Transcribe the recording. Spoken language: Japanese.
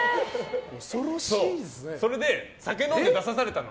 それで酒飲んで出されたの。